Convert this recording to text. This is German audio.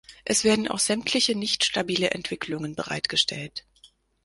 Es werden auch sämtliche nicht stabile Entwicklungen bereitgestellt.